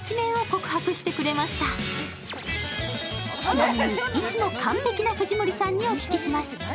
ちなみに、いつも完璧な藤森さんにお聞きします。